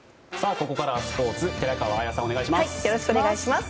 ここからはスポーツ寺川綾さん、お願いします。